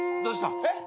えっ？